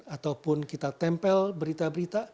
ataupun kita tempel berita berita